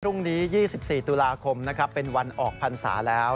พรุ่งนี้๒๔ตุลาคมนะครับเป็นวันออกพรรษาแล้ว